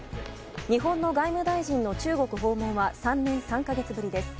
日本の外務大臣の中国訪問は３年３か月ぶりです。